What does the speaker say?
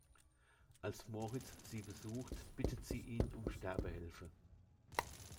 Als Moritz sie besucht, bittet sie ihn um Sterbehilfe.